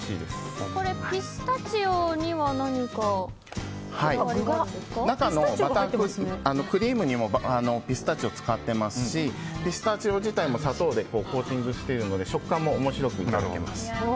ピスタチオには中のクリームにもピスタチオを使っていますしピスタチオ自体も砂糖でコーティングしているので食感も面白くいただけます。